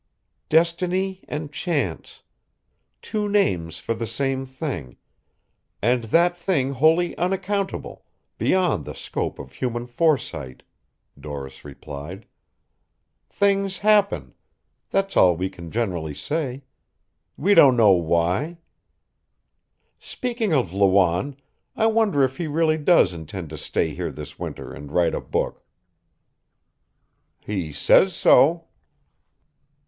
"Destiny and chance: two names for the same thing, and that thing wholly unaccountable, beyond the scope of human foresight," Doris replied. "Things happen; that's all we can generally say. We don't know why. Speaking of Lawanne, I wonder if he really does intend to stay here this winter and write a book?" "He says so."